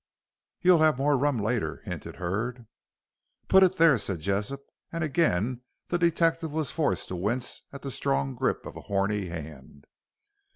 "You'll have more rum later," hinted Hurd. "Put it there," said Jessop, and again the detective was forced to wince at the strong grip of a horny hand.